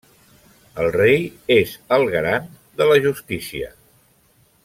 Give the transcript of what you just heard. El rei és el garant de la justícia.